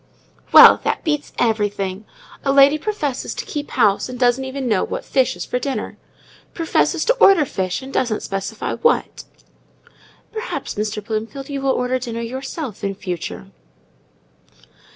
"Well, that beats everything! A lady professes to keep house, and doesn't even know what fish is for dinner! professes to order fish, and doesn't specify what!" "Perhaps, Mr. Bloomfield, you will order dinner yourself in future."